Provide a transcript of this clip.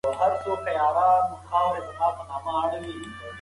ولي واکمن بدکاره ملګري ځان ته نږدې کوي؟